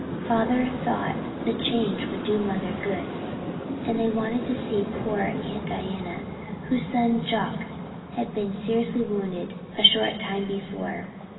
Father thought the change would do mother good, and they wanted to see poor Aunt Diana, whose son Jock had been seriously wounded a short time before.